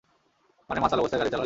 মানে মাতাল অবস্থায় গাড়ি চালালে।